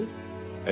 ええ。